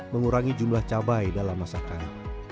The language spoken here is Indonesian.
mengurangi jumlah cabai dalam masakan